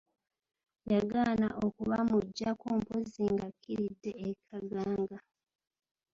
Yagaana okubamuggyako mpozzi ng'akkiridde e Kaganga.